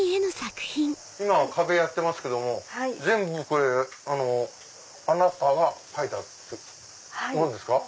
今は壁やってますけども全部あなたが描いたものですか？